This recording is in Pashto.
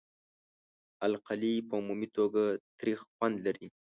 القلي په عمومي توګه تریخ خوند لري.